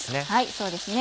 そうですね。